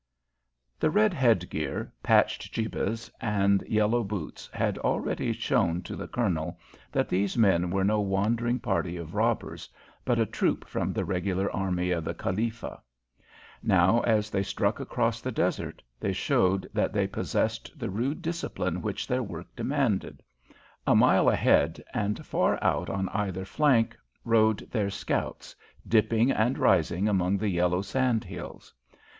The red head gear, patched jibbehs, and yellow boots had already shown to the Colonel that these men were no wandering party of robbers, but a troop from the regular army of the Khalifa. Now, as they struck across the desert, they showed that they possessed the rude discipline which their work demanded. A mile ahead, and far out on either flank, rode their scouts, dipping and rising among the yellow sand hills.